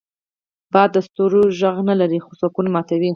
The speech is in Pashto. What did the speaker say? باد د ستوریو غږ نه لري، خو سکون ماتوي